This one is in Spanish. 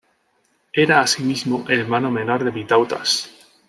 Era asimismo hermano menor de Vitautas.